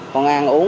con ăn uống